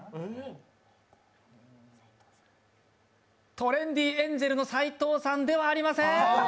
トレンディエンジェルの斎藤さんではありません。